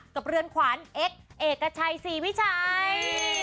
กับเรื่องขวานเอ็กซ์เอกชัยสีพี่ชัย